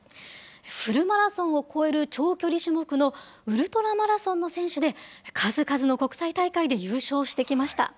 フルマラソンを超える長距離種目のウルトラマラソンの選手で、数々の国際大会で優勝してきました。